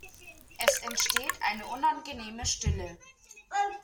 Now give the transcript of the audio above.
Es entsteht eine unangenehme Stille.